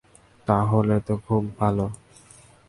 তাহলে তো খুবই ভালো।